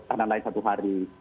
tanah lain satu hari